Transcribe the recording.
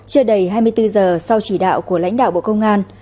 trên đầy hai mươi bốn h sau chỉ đạo của lãnh đạo bộ công an